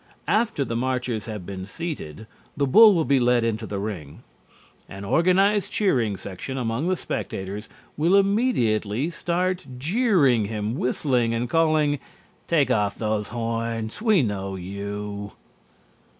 After the marchers have been seated, the bull will be led into the ring. An organized cheering section among the spectators will immediately start jeering him, whistling, and calling "Take off those horns, we know you!"